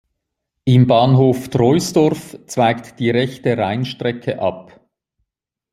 Im Bahnhof Troisdorf zweigt die Rechte Rheinstrecke ab.